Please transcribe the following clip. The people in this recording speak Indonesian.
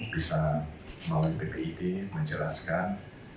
bisa melalui ppid menjelaskan